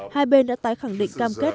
hai bên đã tái khẳng định cam kết